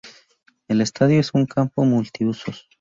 El estadio es un campo multiusos.